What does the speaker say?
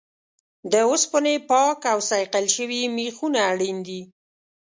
د اوسپنې پاک او صیقل شوي میخونه اړین دي.